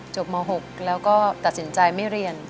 ม๖แล้วก็ตัดสินใจไม่เรียน